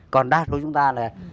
còn đa số chúng ta là